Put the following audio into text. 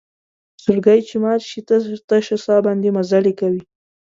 زړګۍ چې مات شي تشه سا باندې مزلې کوي